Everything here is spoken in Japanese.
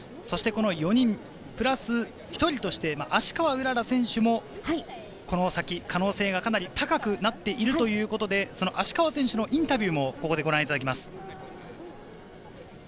４人プラス１人として芦川うらら選手もこの先、可能性がかなり高くなっているということで、芦川選手のインタビューもご覧いただきます。